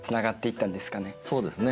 そうですね。